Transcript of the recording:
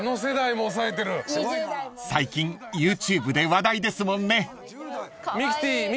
［最近ＹｏｕＴｕｂｅで話題ですもんね］